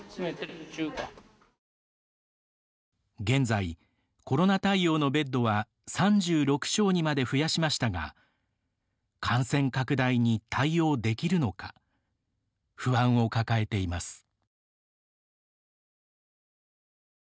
現在、コロナ対応のベッドは３６床にまで増やしましたが感染拡大に対応できるのか不安を抱えています。